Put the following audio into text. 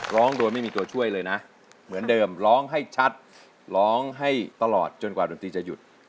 ร้องโดยไม่มีตัวช่วยเลยนะเหมือนเดิมร้องให้ชัดร้องให้ตลอดจนกว่าดนตรีจะหยุด